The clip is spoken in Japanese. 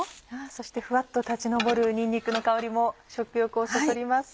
そしてふわっと立ち上るにんにくの香りも食欲をそそります。